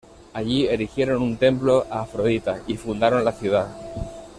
Allí erigieron un templo a Afrodita y fundaron la ciudad.